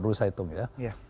dulu saya hitung ya